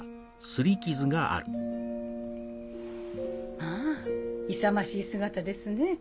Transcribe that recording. まぁ勇ましい姿ですね。